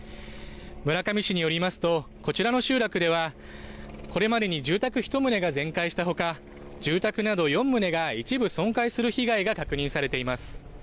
村上市によりますとこちらの集落ではこれまでに住宅１棟が全壊したほか住宅など４棟が一部損壊する被害が確認されています。